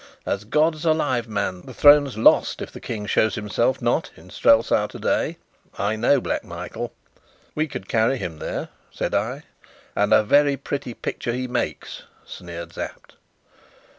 As God's alive, man, the throne's lost if the King show himself not in Strelsau today. I know Black Michael." "We could carry him there," said I. "And a very pretty picture he makes," sneered Sapt.